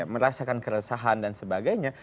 merasakan keresahan dan sebagainya